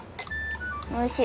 おいしい。